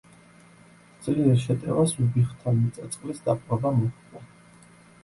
ძლიერ შეტევას უბიხთა მიწა-წყლის დაპყრობა მოჰყვა.